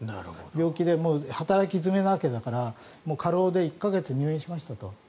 病気で働き詰めなわけだから過労で１か月入院しましたと。